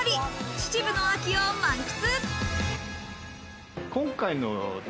秩父の秋を満喫。